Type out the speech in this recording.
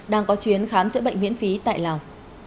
đang có chuyến khám chữa bệnh miễn phí tại lào